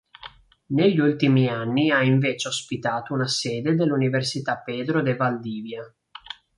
Negli ultimi anni ha invece ospitato una sede dell'Università Pedro de Valdivia.